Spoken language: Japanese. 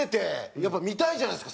やっぱ見たいじゃないですか。